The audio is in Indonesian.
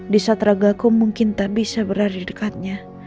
di saat ragaku mungkin tak bisa berada di dekatnya